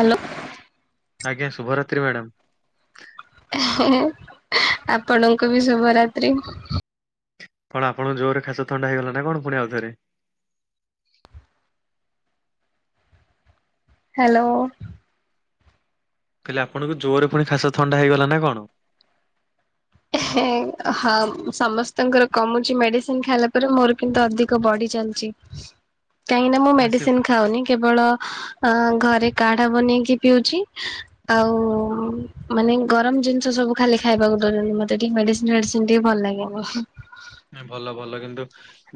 Hello. ଆଜ୍ଞା ଶୁଭରାତ୍ରୀ madam. ଆପଣଙ୍କୁ ବି ଶୁଭରାତ୍ରି। କଣ ଆପଣଙ୍କୁ ଜୋରରେ ଖାସ ଥଣ୍ଡା ହେଇଗଲା ନା କଣ ପୁଣି ଆଉ ଥରେ? ହ୍ୟାଲୋ। ମୁଁ କହିଲେ ଆପଣଙ୍କୁ ଜୋରରେ ଫୁଣି ଖାସ ଥଣ୍ଡା ହେଇଗଲା ନା କଣ? ହେ ହଉ ସମସ୍ତଙ୍କର କମୁଚି ମେଡିସିନ ଖାଇଲା ପରେ ମୋର କିନ୍ତୁ ଅଧିକ ବଢି ଚାଲିଚି। କାହିଁକି ନା ମୁଁ ମେଡିସିନ ଖାଉନି କେବଳ ଅ ଘରେ କାଢା ବନେଇକି ପିଉଚି। ଆଉ ମାନେ ଗରମ ଜିନିଷ ସବୁ ଖାଲି ଖାଇବାକୁ ଦଉଚନ୍ତି ମୋ ମୋତେ ଟିକି ମେଡିସିନ ଫେଡିସିନ ଟିକେ ଭଲ ଲାଗେନି। ନା ଭଲ ଭଲ କିନ୍ତୁ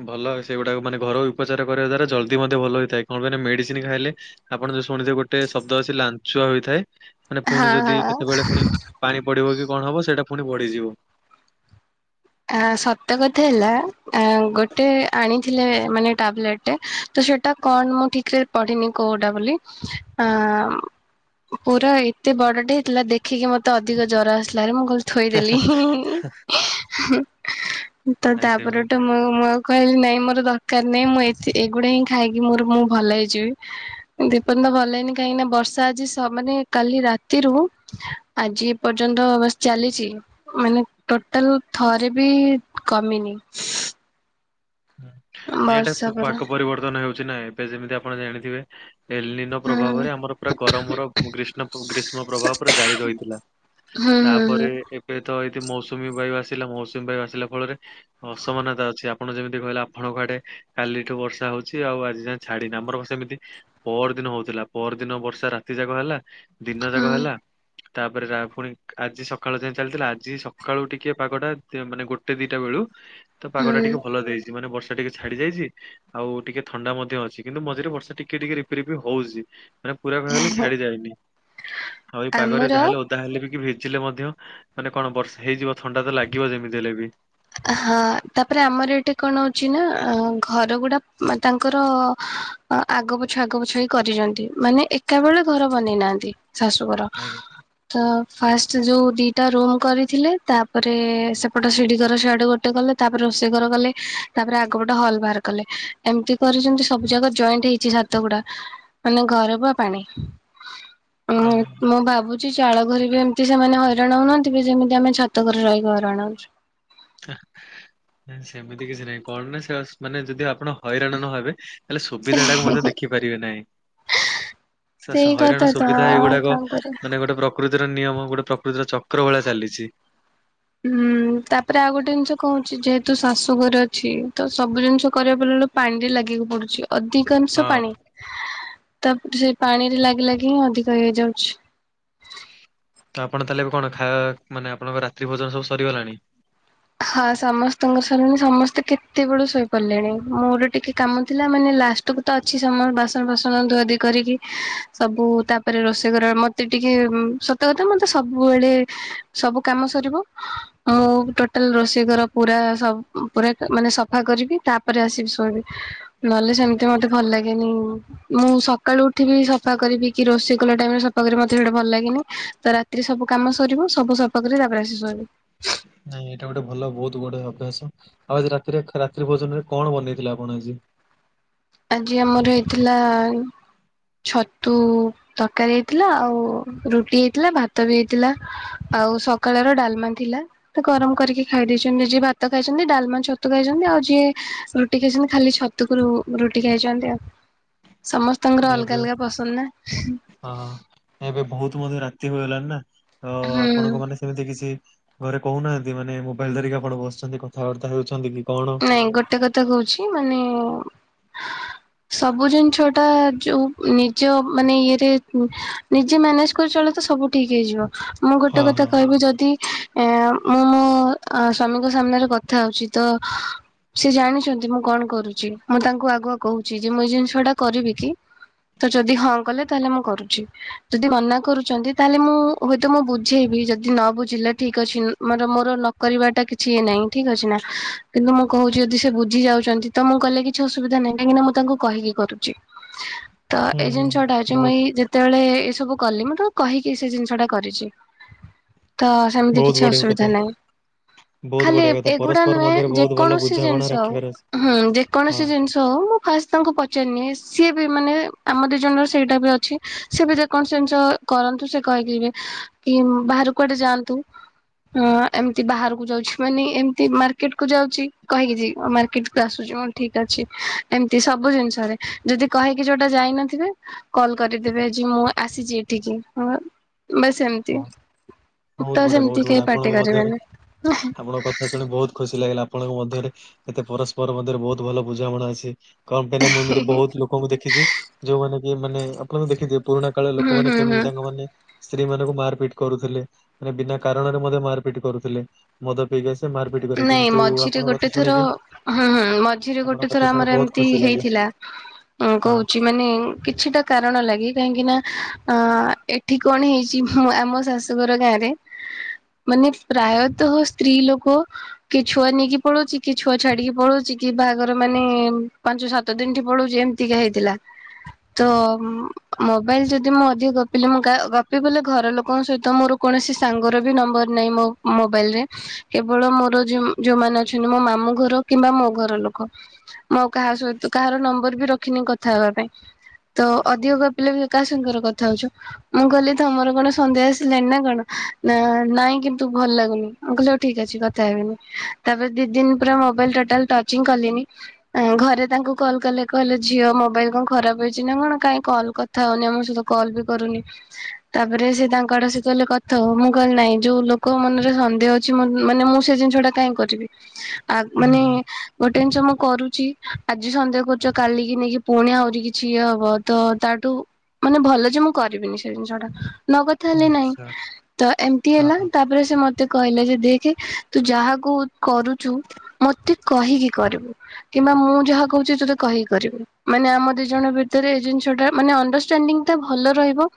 ଭଲ ସେଗୁଡ଼ାକ ମାନେ ଘରୋଇ ଉପଚାର କରିବା ଦ୍ୱାରା ଜଲ୍ଦି ମଧ୍ୟ ଭଲ ହେଇଥାଏ କଣ କହିଲେ ମେଡିସିନ ଖାଇଲେ ଆପଣ ଯୋଉ ଶୁଣିଥିବେ ଗୋଟେ ଶବ୍ଦ ଅଛି ଲାଞ୍ଚୁଆ ହୋଇଥାଏ, ମାନେ ପୁଣି ଯଦି ହଁ କେତେବେଳେ ପୁଣି ପାଣି ପଡିବ କି କଣ ହବ ସେଇଟା ପୁଣି ବଢିଯିବ। ଆଁ ସତ କଥା ହେଲା ଆଁ ଗୋଟେ ଆଣିଥିଲେ ମାନେ ଟାବଲେଟ୍ ଟେ ତ ସେଟା କଣ ମୁଁ ଠିକରେ ପଢିନି କୋଉଟା ବୋଲି ଆଁ ପୁରା ଏତେ ବଡଟେ ହେଇଥିଲା ଦେଖିକି ମତେ ଅଧିକ ଜ୍ୱର ଆସିଲା ହେରି ମୁଁ କ ଥୋଇଦେଲି ହିଁ ହିଁ ହିଁ ତ ନାଇଁ ସେମି ତାପରଠୁ ନାଇଁ ତ ମୁଁ ମୁଁ ଆଉ କହିଲି ନାଇଁ ମୋର ଦରକାର ନାଇଁ ମୁଁ ଏ ଏଗୁଡା ହିଁ ଖାଇକି ମୋର ମୁଁ ଭଲ ହେଇଯିବି। ଦୀପନ ତ ଭଲ ହେଇନି କାହିଁକିନା ବର୍ଷା ଆଜି ସ ମାନେ କାଲି ରାତିରୁ ଆଜି ପର୍ଯ୍ୟନ୍ତ ବାସ୍ ଚାଲିଛି ମାନେ ଟୋଟାଲ ଥରେ ବି କମିନି। ହଁ ନାଇଁ ଏଇଟା ବର୍ଷା ପରା ପାକ ପରିବର୍ତ୍ତନ ହେଉଛି ନାଁ ଏବେ ଯେମିତି ଆପଣ ଜାଣିଥିବେ ଏଲିନ୍ ହୁଁ ପ୍ରଭାବରେ ଆମର ପୁରା ଗରମର ଗ୍ରୀଷ୍ମ ଗ୍ରୀଷ୍ମ ପ୍ରଭାବ ପୁରା ଜାରି ରହିଥିଲା। ହଁ ହଁ ହଁ। ତାପରେ ଏବେ ତ ଏଇ ମୌସୁମୀ ବାୟୁ ଆସିଲା ମୌସୁମୀ ବାୟୁ ଆସିଲା ଫଳରେ ଅସମାନତା ଅଛି ଆପଣ ଯେମିତି କହିଲେ ଆପଣଙ୍କ ଆଡେ କାଲି ଠୁ ବର୍ଷା ହଉଛି ଆଉ ଆଜି ଯାଏଁ ଛାଡିନି ଆମର ସେମିତି ପର ଦିନ ହଉଥିଲା ପର ଦିନ ବର୍ଷା ରାତି ଯାକ ହେଲା ଦିନ ହୁଁ ହୁଁ ଯାକ ହେଲା। ତାପରେ ରା ପୁଣି ଆଜି ସକାଳ ଯାଏଁ ଚାଲିଥିଲା ଆଜି ସକାଳୁ ଟିକେ ପାଗଟା ଦେ ମାନେ ଗୋଟେ ଦିଟା ବେଳୁ। ତ ପାଗ ଟା ହୁଁ ଟିକେ ଭଲ ଦେଇଛି ମାନେ ବର୍ଷା ଟିକେ ଛାଡି ଯାଇଛି। ଆଉ ଟିକେ ଥଣ୍ଡା ମଧ୍ୟ ଅଛି କିନ୍ତୁ ମଝିରେ ବର୍ଷା ଟିକେ ଟିକେ ରିପି ରିପି ହଉଛି। ମାନେ ପୁରା କହିବାକୁ ଗଲେ ଛାଡି ଯାଇନି ଆଉ ଏଇ ପାଗରେ ଆମର ଯାହା ହେଲେ ଓ ତାହେଲେ ବି କି ଭିଜିଲେ ମଧ୍ୟ ମାନେ କଣ ବର୍ଷ ହେଇଯିବ ଥଣ୍ଡା ତ ଲାଗିବ ଯେମିତି ହେଲେ ବି। ଆ ହଁ ତାପରେ ଆମର ଏଠି କଣ ହଉଛି ନା ଘର ଗୁଡା ତାଙ୍କର। ଅ ଆଗ ପଛ ଆଗ ପଛ ହେଇ କରିଛନ୍ତି ମାନେ ଏକା ବେଳେ ଘର ବନେଇ ନାହାନ୍ତି। ଶାଶୁଘର। ଆଜ୍ଞା ତ ଫାର୍ଷ୍ଟ ଯୋଉ ଦିଟା ରୁମ କରିଥିଲେ ତାପରେ ସେପଟ ସିଡି। ଘର ସିଆଡୁ ଗୋଟେ କଲେ ତାପରେ ରୋଷେଇ ଘର କଲେ ତାପରେ ଆଗ ପଟେ ହଲ ବାହାର କଲେ। ଏମିତି କରିଛନ୍ତି ସବୁ ଯାକ ଜଏଣ୍ଟ ହେଇଛି ଛାତ ଗୁଡା। ମାନେ ଘରେ ପା ପାଣି ଉଁ ହଁ ହଁ। ମୋ ଭାବୁ ଚି ଚାଳ ଘରେ ବି ଏମିତି ସେମାନେ ହଇରାଣ ହଉନାହାନ୍ତିି କି ଯେମିତି ଆମେ ଛାତ ଘରେ ରହିକି ହଇରାଣ ହଉଛୁ। ଏ ଏ ସେମିତି କିଛି ନାହିଁ କଣ ନା ସେଅସ ମାନେ ଯଦି ଆପଣ ହଇରାଣ ନହେବେ। ତାହେଲେ ସୁବିଧା ଟାକୁ ହଉଛୁ। ମଧ୍ୟ ଦେଖିପାରିବେ ନାହିଁ। ସେ ସ ସେଇ କଥା ହଇରାଣ ତ ସୁବିଧା ଆଉ ଏଇଗୁଡାକ କଣ କରିବା। ମାନେ ଗୋଟେ ପ୍ର କୃତିର ନିୟମ ଗୋଟେ ପ୍ରକୃତିର ଚକ୍ର ଭଳିଆ ଚାଲିଛି। ହୁଁ ତାପରେ ଆଉ ଗୋଟେ ଜିନିଷ କହୁଛି ଯେହେ ତୁ ଶାଶୁ ଘରେ ଅଛି ତ ସବୁ ଜିନିଷ କରିବା ବେଳୁ ପାଣିରେ ଲାଗିବାକୁ ପଡୁଛି। ହଁ। ଅଧିକାଂଶ ପାଣି ତା ସେ ପାଣିରେ ଲାଗି ଲାଗି ହିଁ ଅଧିକ ହେଇଯାଉଛି। ତ ଆପଣ ତାହେଲେ ଏବେ କଣ ଖା ମାନେ ଆପଣଙ୍କ ରାତ୍ରି ଭୋଜନ ସବୁ ସରିଗଲାଣି? ହଁ ସମସ୍ତଙ୍କ [unintelligible] ସମସ୍ତେ କେତେବେଳୁ ଶୋଇପଡିଲେଣି ମୋର ଟିକେ କାମ ଥିଲା ମାନେ ଲାଷ ଟ କୁ ତ ଅଛି ସମ ବାସନ ବାସନ ଧୁଆଧୁଇ କରିକି ସବୁ ତାପରେ ରୋଷେଇ ଘର ମ ମତେ ଟିକେ ଉଁ ସତ କଥା ମତେ ସବୁବେଳେ ସବୁ କାମ ସରିବ ମୁଁ ଟୋ ଟାଲ ରୋଷେଇ ଘର ପୁରା ସବ୍ ଉଁ ପୁରା ଆ ମାନେ ସଫା କରିବି ତାପରେ ଆସିବି ଶୋଇବି। ନହେଲେ ସେମିତି ମତେ ଭଲ ଲାଗେନି। ମୁଁ ସକାଳୁ ଉଠିବି ସଫା କରିବି କି ରୋଷେଇ କଲା ଟାଇମ୍ ରେ ସଫା କରିବି ମତେ ସେଇଟା ଭଲ୍ ଲାଗେନି ତ ରା ତି ରେ ସବୁ କାମ ସରିବ ସବୁ ସଫାକରି ତାପରେ ଆସି ଶୋଇବି। ନାଇଁ ଏଇଟା ଗୋଟେ ଭଲ ବହୁତ ଗୋଟେ ଅଭ୍ୟାସ। ଆଉ ଆଜି ରାତିରେ ରାତ୍ରି ଭୋଜନରେ କଣ ବନେଇଥିଲେ ଆପଣ ଆଜି? ଆଜି ଆମର ହେଇଥିଲା। ଛତୁ ତରକାରୀ ହେଇଥିଲା ଆଉ ରୁଟି ହେଇଥିଲା ଭାତ ବି ହେଇଥିଲା। ଆଉ ସକାଳର ଡାଲମା ଥିଲା। ତ ଗରମ୍ କରିକି ଖାଇ ଦେଇଛନ୍ତି ଯିଏ ଭାତ ଖାଇଛନ୍ତି ଡାଲମା, ଛତୁ ଖାଇଛନ୍ତି ଆଉ ଯିଏ ରୁଟି ଖାଇଛନ୍ତି ଖାଲି ଛ ତୁ କୁରୁ ରୁଟି ଖାଇଚନ୍ତି ଆଉ ସମସ୍ତଙ୍କର ନାଇଁ, ଏବେ ଅଲଗା ଅଲଗା ପସନ୍ଦ ନା। ହଁ ଏବେ ବହୁତ ମଧ୍ୟ ରାତି ହୋଇଗଲାଣି ନା ତ ହୁଁ ଆପଣଙ୍କ ମାନେ। ସେମିତି କିଛି ଘରେ କହୁନାହାନ୍ତି ମାନେ ମୋବାଇଲ ଧରିକି ଆପଣ ବସିଚନ୍ତି କଥାବାର୍ତ୍ତା ହେଉଛନ୍ତି କି କଣ? ନାଇଁ ଗୋଟେ କଥା କହୁଛି ମାନେ। ସବୁ ଜିନିଷ ଟା ଯଉ ଉଁ ନିଜ ମାନେ ଇଏରେ ଉଁ ନିଜେ ମ୍ୟାନେଜ କରି ଚଳେ ତ ସବୁ ଠିକ୍ ହେଇଯିବ ମୁଁ ଗୋଟେ ହଁ କଥା ହଁ। କହିବି ଯଦି। ଏ ମୁଁ ମୋ ଅ ସ୍ଵାମୀଙ୍କ ସାମ୍ନାରେ କଥା ହଉଛି ତ। ସେ ଜାଣିଛନ୍ତି ମୁଁ କଣ କରୁଛି ମୁଁ ତାଙ୍କୁ ଆଗୁଆ କହୁଛି ଯେ ମୁଁ ଏଇ ଜିନିଷଟା କରିବି କି। ତ ଯଦି ହଁ କଲେ ତାହେଲେ ମୁଁ କରୁଛି। ଯଦି ମନା କରୁଛନ୍ତି ତାହେଲେ ମୁଁ ହୁଏତ ମୁଁ ବୁଝେଇବି ଯଦି ନ ବୁଝିଲେ ଠିକ ଅଛି ମାନେ ମୋର ନ କରିବାଟା କିଛି ନାହିଁ ଠିକ୍ ଅଛି ନା। କିନ୍ତୁ ମୁଁ କହୁଚି ଯଦି ସେ ବୁଝି ଯାଉଚନ୍ତି ତ ମୁଁ କହିଲେ କିଛି ଅସୁବିଧା ନାହିଁ କାହିଁକିନା ମୁଁ ତାଙ୍କୁ କହିକି କରୁଚି। ତ ହୁଁ ଏଇ ହୁଁ ଜିନିଷ ଟା ଅଛି ମୁ ବହୁତ ଏଇ ଯେ ତେବେଳେ ଏସବୁ କଲି ମୁଁ ତ କହିକି ସେ ଜିନିଷ ଟା କରିଚି ତ ସେମିତି ବହୁତ କିଛି ବଢିଆ କଥା ଅସୁବିଧା ନାହିଁ ବହୁତ ଖାଲି ଏ ବଢିଆ କଥା ଏଗୁଡ଼ା ପରସ୍ପର ନୁହେଁ ମଧ୍ୟରେ ଯେ ବହୁତ ଭଲ କୌଣସି ବୁଝାମଣା ଜିନିଷ ରଖିବାର ଅଛି। ହୁଁ ଯେ ହଁ କୌଣସି ଜିନିଷ ତ ମୁଁ ଫାଷ୍ଟ୍ ତାଙ୍କୁ ପଚାରିନିଏ ସିଏ ବି ମାନେ ଆମ ଦୁଇ ଜଣଙ୍କର ସେଇଟା ବି ଅଛି ସିଏ ବି ଯେକୌଣସି ଜିନିଷ କରନ୍ତୁ ସେ କହିକି ଯିବେ କି ବାହାରକୁୁ କୁଆଡେ ଯାଆନ୍ତୁ। ହୁଁ ଏମିତି ବାହାରକୁ ଯାଉଛି ମାନେ ଏମିତି ମାର୍କେଟ କୁ ଯାଉ ଛି କହିକି ଯିବେ ମାର୍କେଟ୍ କୁ ଆସୁଚି ହଁ ଠିକ୍ ଅଛି ଏମିତି ସବୁ ଜିନିଷରେ। ଯଦି କହିକି ଯୋଉଟା ଯାଇନଥିବେ କଲ୍ କରିଦେବେ ଆଜି ମୁଁ ଆସିଚି ଏଠିକି ହଁ ବାସ୍ ଏମିତି। ବହୁତ୍ ତ ବଢ଼ିଆ ସେମିତି ବହୁତ୍ ବଢ଼ିଆ କେହି ପାଟି ଆପଣଙ୍କ ମଧ୍ୟରେ କରିବେନି। ଆପଣଙ୍କ କଥା ଶୁଣି ବହୁତ୍ ଖୁସି ଲାଗିଲା। ଆପଣଙ୍କ ମଧ୍ୟରେ ଏତେ ପରସ୍ପର ମଧ୍ୟରେ ବହୁତ୍ ଭଲ ବୁଝାବଣା ଅଛି। କଣ ପାଇଁ ନା ମୁଁ ଏମିତି ବହୁତ୍ ଲୋକଙ୍କୁ ଦେଖିଚି ଯୋଉମାନେ କି ମାନେ ଆପଣ ଦେଖିଥିବେ। ପୁରୁଣା କାଳର ହୁଁ ଲୋକମାନେ ହୁଁ ହୁଁ କେମିତି ତାଙ୍କ ମାନେ ସ୍ତ୍ରୀ ମାନଙ୍କୁ ମାର୍ ପିଟ୍ କରୁଥିଲେ ମାନେ ବିନା କାରଣରେ ମଧ୍ୟ ମାର୍ ପିଟ୍ କରୁଥିଲେ। ମଦ ପିଇକି ଆସେ ମାରପିଟ କରେ ନାଇଁ କିନ୍ତୁ ମଝିରେ ଆପଣଙ୍କ ଗୋଟେ କଥା ଥର ଶୁଣିକି ହୁଁ ହୁଁ ମଝିରେ ଗୋଟେ ଆପଣଙ୍କ ଥର କଥା ଶୁଣି ଆମର ଏମି ବହୁତ ତି ଖୁସି ଲାଗିଲା ହେଇଥିଲା ହଁ। କହୁଚି। ମାନେ କିଛିଟା କାରଣ ଲାଗି କାହିଁକି ନା ଆ ଏଠି କଣ ହେଇଚି ମୁଁ ଆମ ଶାଶୁ ତୁମର ଗାଁରେ ମାନେ ପ୍ରାୟତଃ ସ୍ତ୍ରୀ ଲୋକ କିଏ ଛୁଆ ନେଇକି ପଳଉଚି କିଏ ଛୁଆ ଛାଡ଼ିକି ପଳଉଚି କିଏ ବାହାଘର ମାନେ ପାଞ୍ଚ, ସା ତ ଦିନ୍ ଠୁ ପଳଉଚି ଏମିତିକା ହେଇଥିଲା। ତ ମୋବାଇଲ୍ ଯଦି ମୁଁ ଅଧିକ ଗପିଲି ମୁ କା ଗପିବି ବୋଲି ଘର ଲୋକଙ୍କ ସହିତ ମୋର କୌଣସି ସାଙ୍ଗର ବି ନମ୍ବର ନାହିଁ ମୋ ମୋବାଇଲ୍ ରେ କେବ କେବଳ ମୋର ଯୋଉ ଯୋଉମାନେ ଅଛନ୍ତି ମୋ ମାମୁଁ ଘର କିମ୍ବା ମୋ ଘର ଲୋକ। ମୁଁ କାହା ସହିତ କାହାର ନମ୍ବର ବି ରଖିନି କଥା ହେବା ପାଇଁ। ତ ଅଧିକ ଗପିଲେବି କାହା ସାଙ୍ଗରେ କଥା ହଉଚୁ। ମୁଁ କଇଲି ତମର କଣ ସନ୍ଦେହ ଆସିଲାନି ନା କଣ ନା ନାଇଁ କିନ୍ତୁ ଭଲ୍ ଲାଗୁନି ମୁଁ କଇଲି ହୋଉ ଠିକ୍ ଅଛି। କିଛି କଥା ହେବିନି ତାପରେ ଦି ଦିନ ପୁରା ମୋବାଇଲ୍ ଟୋଟାଲ୍ ଟଚିଂ କଲିନି। ଘରେ ତାଙ୍କୁ କଲ୍ କଲେ କହିଲେ ଝିଅ ମୋବାଇଲ୍ କଣ ଖରାପ୍ ହେଇଚି ନା କଣ କାଇଁ କଲ୍ କ କଥା ହଉନି ଆମ ସହିତ କଲ୍ ବି କରୁନି। ତାପରେ ସେ ତାଙ୍କ ଆଡ଼ୁ ଆସି କହିଲେ କଥା ହୁଅ ମୁଁ କହିଲି ନାହିଁ ଯୋଉ ଲୋକ ମନରେ ସନ୍ଦେହ ଅଛି ମୋ ମାନେ ମୁଁ ସେ ଜିନିଷ ଟା କାଇଁ କରିବି? ଆ ହୁଁ ମାନେ ଗୋଟେ ଜିନିଷ ମୁଁ କରୁଚି ଆଜି ସନ୍ଦେହ କରୁଛ କାଲିକି ନେଇକି ପୁଣି ଆହୁରି କିଛି ଇଏ ହବ ତ ତାଠୁ ମାନେ ଭଲ ଯେ ମୁଁ କରିବିନି ସେ ଜିନିଷ ଟା। ନ କଥା ହୁଁ ହେଲେ ନାଇଁ ନିଶ୍ଚୟ ତ ଏମିତି ହଁ। ହେଲା ତାପରେ ସେ ମତେ କହିଲେ ଯେ ଦେ ଖେ ତୁ ଯାହାକୁ କରୁଚୁ ମତେ କହିକି କରିବୁ। କିମ୍ବା ମୁଁ ଯାହା କହୁଛି ତୋତେ କହିକି କରିବି ମାନେ ଆମ ଦି ଜଣ ଭିତରେ ଜିନିଷ ଟା ମାନେ ଅଣ୍ଡରଷ୍ଟାଣ୍ଡିଂ ଟା ଭଲ ରହିବ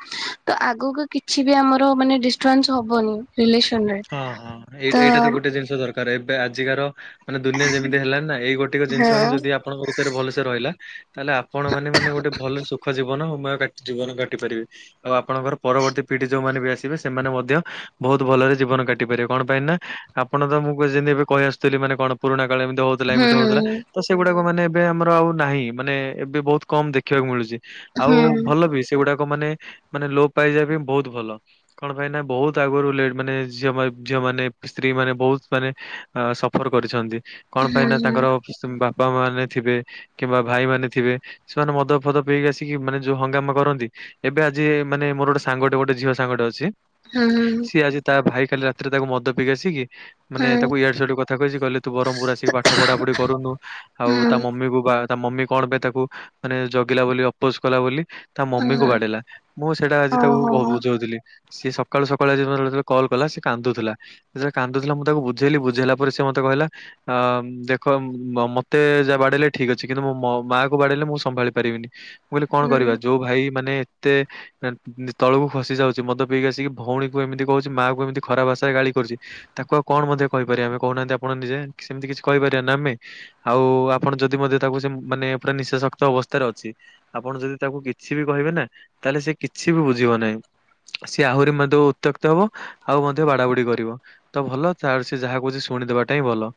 ତ ଆଗକୁ କିଛି ବି ଆମର ମାନେ ଡିଷ୍ଟରବାନ୍ସ ହବନି ରିଲେସନରେ। ହଁ ହଁ ଏଇଟା ଏଇଟା ତ ଗୋଟେ ଜିନିଷ ଦରକାର ଏବେ ଆଜିକାର ମାନେ ଦୁନିଆ ଯେମିତି ହେଲାଣି ନା ଏଇ ଗୋଟିକ ଜିନିଷ ହଁ ହିଁ ଯଦି ଆପଣଙ୍କ ଭିତରେ ଭଲସେ ରହିଲା ତାହେଲେ ଆପଣ ମାନେ ମାନେ ଗୋଟେ ଭଲ ସୁଖ ଜୀବନ ମୟ ଜୀବନ କାଟି ପାରିବେ। ଆଉ ଆପଣଙ୍କର ପରବର୍ତ୍ତୀ ପିଢି ଯୋଉମାନେ ବି ଆସିବେ ସେମାନେ ମଧ୍ୟ ବହୁତ୍ ଭଲରେ ଜୀବନ କାଟି ପାରିବେ କଣ ପାଇଁ ନା ଆପଣ ତ ମୁଁ ଏ ଏବେ ଏବେ କଇ ଆସୁଥିଲି ମାନେ କଣ ପୁରୁଣା କାଳେ ଏମିତି ହଉ [unintelligible] ହୁଁ ଏମିତି ହଉଥିଲା ତ ସେଗୁଡାକ ମାନେ ଏବେ ଆମର ଆଉ ନାହିଁ ମାନେ ଏବେ ବହୁତ୍ କମ୍ ଦେଖିବାକୁ ମିଳୁଚି ଆଉ ହୁଁ ଭଲ ବି ସେ ସେଗୁଡାକ ମାନେ- ମାନେ ଲୋପ୍ ପାଇଯିବା ପାଇଁ ବହୁତ୍ ଭଲ କଣ ପାଇଁନା ବହୁତ୍ ଆଗରୁ ଲେଟ୍ ମାନେ ଝିଅମାନେ- ଝିଅମାନେ ସ୍ତ୍ରୀ ମାନେ ବହୁତ୍ ମାନେ ସଫର୍ କରିଛନ୍ତି କଣ ପାଇଁ ନାଇଁ ନା ତାଙ୍କର [unintelligible] ବାପା ମା ମାନେ ଥିବେ କିମ୍ବା ଭାଇ ମାନେ ଥିବେ ସେମାନେ ମଦ ଫଦ ପିଇକି ଆସିକି ମାନେ ଯଉ ହଙ୍ଗାମା କରନ୍ତି ଏବେ ଆଜି ମାନେ ମୋର ଗୋଟେ ସାଙ୍ଗଟେ ଗୋଟେ ଝିଅ ସାଙ୍ଗଟେ ଅଛି ହଁ- ହଁ। ସିଏ ଆଜି ତା ଭାଇ କାଲି ରାତିରେ ତାକୁ ମଦ ପିଇକି ଆସିକି ମାନେ ତାକୁ ଇଆଡେ ସିଆଡୁ କଥା କହିଚି କହିଲେ ତୁ ବରମପୁର୍ ଆସିକି ପାଠ ପଢା ପଢି କରୁନୁ। ଆଉ ତା ମମି କୁ ବା ତା ମମି କଣ ପାଇଁ ତାକୁ ମାନେ ଜଗିଲା ବୋଲି ଅପୋଜ୍ କଲା ବୋଲି ତା ମମି କୁ ବାଡେଇଲା ମୁଁ ସେଇଟା ଆଜି ତାକୁ କ-ବୁଝଉଥିଲି। ସିଏ ସକାଳୁ ସକାଳୁ ଆଜି ମତେ ଯେତେବେଳେ କଲ୍ କଲା ସେ କାନ୍ଦୁଥିଲା। ସେ କାନ୍ଦୁଥିଲା ମୁଁ ତାକୁ ବୁଝେଇଲି ବୁଝେଇଲା ପରେ ସେ ମତେ କହିଲା ଅ- ଦେଖ ମତେ ଯାହା ବାଡେଇଲେ ଠିକ୍ ଅଛି କିନ୍ତୁ ମୋ ମା କୁ ବାଡେଇଲେ ମୁଁ ସମ୍ଭାଳି ପାରିବିନି। ମୁଁ କହିଲି କଣ କରିବା ଯଉ ଭାଇ ମାନେ ଏତେ ଏ-ତଳକୁ ଖସି ଯାଉଚି ମଦ ପିଇକି ଆସିକି ଭଉଣୀକୁ ଏମିତି କହୁଚି ମାଆ କୁ ଏମିତି ଖରାପ୍ ଭାଷାରେ ଗାଳି କରୁଚି ତାକୁ ଆଉ କଣ ମଧ୍ୟ କହିପାରିବା ଆମେ କହୁନାହାନ୍ତି ଆପଣ ନିଜେ ସେମିତି କିଛି କହିପାରିବାନି ନା ଆମେ। ଆଉ ଆପଣ ଯଦି ମଧ୍ୟ ତାକୁ ସେ ମାନେ ପୁରା ନିଶାସକ୍ତ ଅବସ୍ଥାରେ ଅଛି ଆପଣ ଯଦି ତାକୁ କିଛି ବି କହିବେ ନା ତାହେଲେ ସେ କିଛି ବି ବୁଝିବ ନାହିଁ। ସିଏ ଆହୁରି ମଧ୍ୟ ଉତ୍ତ୍ୟକ୍ତ ହବ ଆଉ ମଧ୍ୟ ବାଡା ବୁଡି କରିବ ତ ଭଲ ତାହା ସେ ଯାହା କହୁଚି ଶୁଣିଦବାଟା ହିଁ ଭଲ।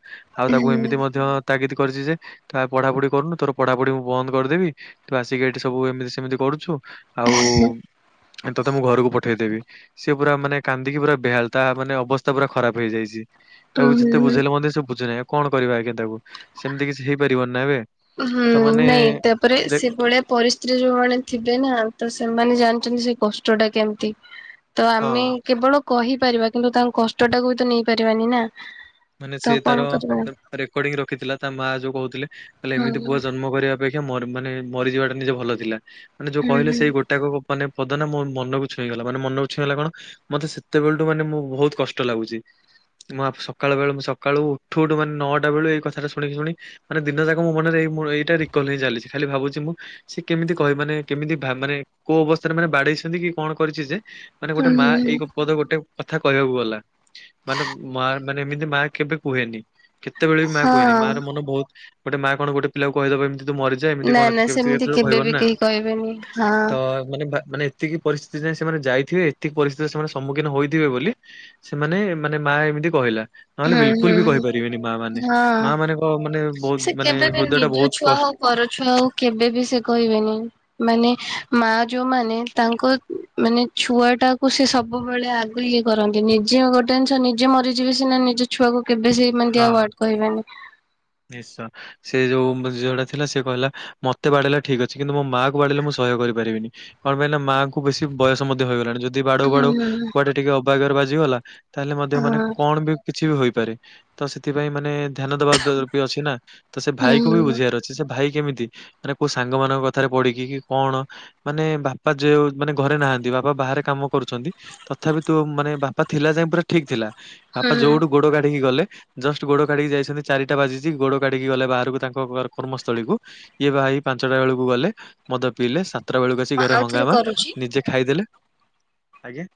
ଆଉ ତାକୁ ଏମିତି ମଧ୍ୟ ତାଗିଦ୍ କରିଚି ଯେ ତୁ ପଢାପଢି କରୁନୁ ତୋର ପଢାପଢି ମୁଁ ବନ୍ଦ୍ କରିଦେବି। ତୁ ଆସିକି ଏଠି ସବୁ ଏମିତି ସେମିତି କରୁଚୁ। ଆଉ ତତେ ମୁଁ ଘରକୁ ପଠେଇଦେବି ସିଏ ପୁରା ମାନେ କାନ୍ଦିକି ପୁରା ବେହାଲ୍ ତାହା ମାନେ ଅବସ୍ଥା ପୁର ଖରାପ୍ ହେଇଯାଇଚି ତାକୁ ଯେତେ ବୁଝେଇଲେ ମଧ୍ୟ ସେ ବୁଝୁନାହିଁ କଣ କରିବା ଆଜ୍ଞା ତାକୁ ସେମିତି କିଛି ହେଇପାରିବନି ନା ଏବେ। ହଁ ତ ମାନେ ନାଇଁ ତାପରେ ଦେ ସେଭଳିଆ ପରିସ୍ ଯଉ ଯଉମାନେ ଥିବେ ନା ତ ସେମାନେ ଜାଣିଚନ୍ତି ସେ କଷ୍ଟ ଟା କେମିତି ତ ଆମେ କେବଳ କହିପାରିବା କିନ୍ତୁ ତାଙ୍କ କଷ୍ଟ ଟାକୁ ବି ତ ନେଇପାରିବାନି ନା ମାନେ ସେ ତ ଆଉ ତାର କଣ କରିବା। ରେକର୍ଡିଂ ରଖିଥିଲା ତା ମାଆ ଯଉ କହୁଥିଲେ କହିଲେ ହଁ ଏମିତି ପୁଅ ଜନ୍ମ କରିବା ଅପେକ୍ଷା ମର୍- ମାନେ ମରିଯିବା ଟା ନିଜେ ଭଲ ଥିଲା ମାନେ ଯଉ ହୁଁ ହୁଁ କହିଲେ ସେଇ ହୁଁ ଗୋଟ୍ ଟାକୁ ମାନେ ପଦ ନା ମନକୁ ଛୁଇଁ ଗଲା ମାନେ ମନକୁ ଛୁଇଁଗଲା କଣ ମତେ ସେତେବେଳଠୁ ମାନେ ମୁଁ ବହୁତ୍ କଷ୍ଟ ଲାଗୁଚି। ମୁଁ [unintelligible] ସକାଳବେଳକୁ ମୁଁ ସକାଳୁ ଉଠୁ ଉଠୁ ମାନେ ନଅଟା ବେଳୁ ଏଇ କଥାଟା ଶୁଣିଲି- ଶୁଣି ମାନେ ଦିନ ଯାକ ମୋ ମନରେ ଏଇ-ମ-ଏଇଟା ରିକଲ୍ ହେଇ ଚାଲିଚି ଖାଲି ଭାବୁଚି ମୁଁ ସେ କେମିତି କହି ମାନେ କେମିତି ଭା-ମାନେ କଉ ଅବସ୍ଥାରେ ମାନେ ବାଡେଇଛନ୍ତି କି କଣ କରିଚି ଯେ ମାନେ ଗୋଟେ ମା ହୁଁ ଏଇ ପଦ ଗୋଟେ କଥା କହିବାକୁ ଗଲା ମାନେ ମା ମାନେ ଏମିତି ମା କେବେ କୁହେନି କେତେବେଳେ ବି ମା କୁହେନି ମା ହଁ। ର ମନ ବହୁତ୍ ଗୋଟେ ମା କଣ ଗୋଟ ପିଲା କହିଦବ ଏମିତି ତୁ ମରି ଯା ଏମିତି ନା କଣ ନା ସେମିତି [unintelligible] କେବେ କହିବନି ବି ନା କେହି କହିବେନି ହଁ ତ ମାନେ ବା ମାନେ ଏତିକି ପରିସ୍ଥିତି ଯାଏଁ ସେମାନେ ଯାଇଥିବେ ଏତିକି ପରିସ୍ଥିତିର ସେମାନେ ସମ୍ମୁଖୀନ ହୋଇଥିବେ ବୋଲି ସେମାନେ ମାନେ ମା ଏମିତି କହିଲା। ନହେଲେ ହୁଁ ବିଲକୁଲ୍ ବି ହୁଁ କହିପାରିବେନି ମା ମାନେ ହଁ। ମା ମାନଙ୍କ ମାନେ ବହୁତ୍ ସେ ମାନେ କେବେ ବି ହୃଦୟ ଟା ନିଜ ବହୁତ୍ ଛୁଆ ହଉ କଷ୍ଟ୍ ପର ଛୁଆକୁ କେବେବି ସେ କହିବେନି। ମାନେ ମା ଯୋଉମାନେ ତାଙ୍କ ମାନେ ଛୁଆ ଟାକୁ ସେ ସବୁବେଳେ ଆଗ ଇଏ କରନ୍ତି ନିଜେ ଗୋଟେ ଜିଷ ନିଜେ ମରିଯିବେ ସିନା - - ଛୁଆକୁ କେବେ ସେମିତି ହଁ। ଔର୍ଡ କହିବେନି? ନିଶ୍ଚୟ ସେ ଯୋଉ ଝିଟା ଥିଲା ସେ କହିଲା ମତେ ବାଡେଇଲା ଠିକ ଅଛି। କିନ୍ତୁ ମୋ ମାୁ ବାଡେଇଲେ ମୁଁ ସହ୍ୟ କରିପାରିବିନି। କଣ ପାଇଁଲ ମାଆ କୁ ବେଶୀ ବୟସ ମଧ୍ୟ ହେଇଗଲାଣି। ଯଦି ଯଦି ବାଡିଉ ହୁଁ ବାଡଉ ହୁଁ କୁଆଟେ ଟିକେ ଅବାଗର ବାଜିଗଲା ତାହେଲେ ମଧ୍ୟ ହୁଁ ମାନେ କଣ ବି କିଛି ବି ହୋଇପାରେ ତ ସେଥିପାଇଁ ମାନେ ଧ୍ୟାନ ଦବା ବି ଅଛି ନା ତ ସେ ହୁଁ ଭାଇ କ ବି ବୁଝିବା ର ଅଛି ସେ ଭାଇ କେମିତି ମାନ କୋଉ ସାଙ୍ଗ ମାନଙ୍କ କଥାରେ ପଢିକି କି କଣ ମାନେ ବାପା ଯେଉ ମାନେ ଘରେ ନାହାନ୍ତି ବାପା ବାହାରେ କାମ କରୁଚନ୍ତି। ତଥାପି ତୁ ମାନେ ବାପା ଥିଲା ଯାଇ ପୁରା ଠିକ୍ ଥିଲା। ହୁଁ ବାପା ଯୋଉଠୁ ଗୋଡ କାଢିକି ଗଲେ ଜଷ୍ଟ ଗୋଡ କାଢିକି ଯାଇଛନ୍ତି ଚାରି- - ଟା ବାଜିଛି ଗୋଡ କାଢିକି ଗଲେ ବାହାରକୁ ତାଙ୍କ କର୍ମସ୍ଥଳୀକୁ ଇଏ ବାଇଇ ପାଞ୍ଚଟା ବେଳକୁ ଗଲେ ମଦ ପିଇଲେ ଶ - - ସତ୍ର ବେଳକୁ ଆସି ହୁଁ ଘରେ ଆଉ ଥରେ ହଙ୍ଗାମା କରୁଛି। ନିଜେ ଖାଇଦେଲେ ଆଜ୍ଞା।